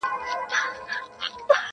حساب ښه دی پر قوت د دښمنانو -